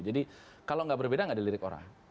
jadi kalau enggak berbeda enggak ada lirik orang